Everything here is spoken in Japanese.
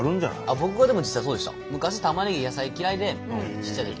僕がでも実際そうでした。